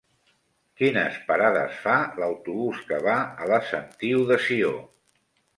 Quines parades fa l'autobús que va a la Sentiu de Sió?